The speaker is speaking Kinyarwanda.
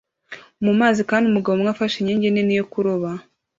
mu mazi kandi umugabo umwe afashe inkingi nini yo kuroba